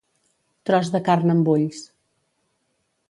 Tros de carn amb ulls.